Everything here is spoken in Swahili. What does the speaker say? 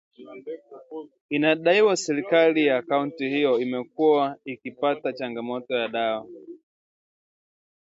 Inadaiwa serikali ya kaunti hiyo imekuwa ikipata changamoto ya dawa